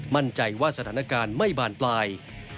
มั่นใจว่าสถานการณ์ไม่บานปลาย